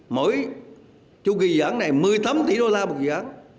mỗi chu kỳ dự án này một mươi tám tỷ đô la một dự án